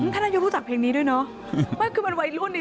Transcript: ท่านนายกรู้จักเพลงนี้ด้วยเนอะไม่คือมันวัยรุ่นนี้